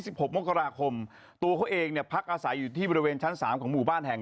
หกมกราคมตัวเขาเองเนี่ยพักอาศัยอยู่ที่บริเวณชั้นสามของหมู่บ้านแห่ง